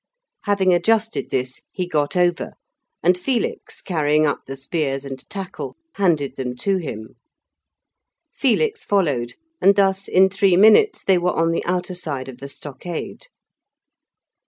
Having adjusted this, he got over, and Felix carrying up the spears and tackle handed them to him. Felix followed, and thus in three minutes they were on the outer side of the stockade.